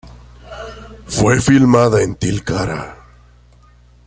Fue filmada en Tilcara.